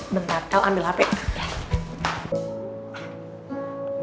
bentar tau ambil apa